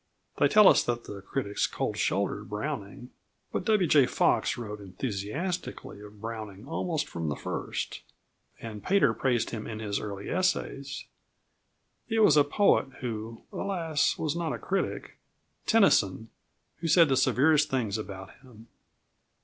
They tell us that the critics cold shouldered Browning; but W. J. Fox wrote enthusiastically of Browning almost from the first, and Pater praised him in his early essays: it was a poet who, alas! was not a critic Tennyson who said the severest things about him.